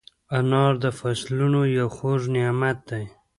انار د فصلونو یو خوږ نعمت دی.